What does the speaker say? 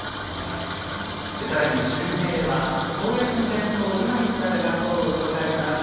さらに中継では京焼の伝統を今に伝える学校をご紹介します。